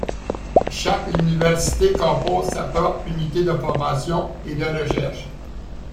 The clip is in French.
Chaque université compose sa propre unité de formation et de recherche.